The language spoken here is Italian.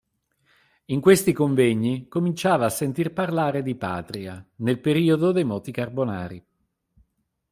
In questi convegni cominciava a sentir parlare di patria, nel periodo dei moti carbonari.